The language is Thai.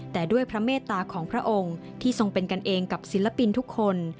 แต่ด้วยพระเมตตาของพระองค์ที่ทรงเป็นกันเองกับศิลปินทุกคน